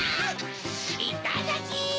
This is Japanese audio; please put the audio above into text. いただき！